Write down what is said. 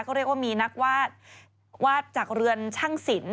เขาเรียกว่ามีนักวาดวาดจากเรือนช่างศิลป